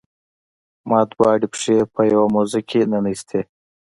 ما دواړه پښې په یوه موزه کې ننویستي.